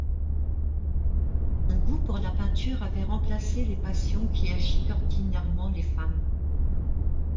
Son goût pour la peinture avait remplacé les passions qui agitent ordinairement les femmes.